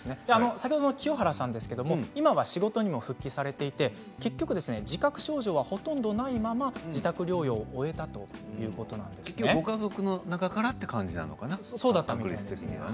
先ほどの清原さんですが今は仕事にも復帰されていて自覚症状はほとんどないまま自宅療養を終えたご家族の中からという感じなんですかね。ということです。